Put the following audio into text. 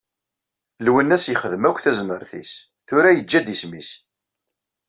Lwennas yexdem akk tazmert-is, tura yeǧǧa-d isem-is.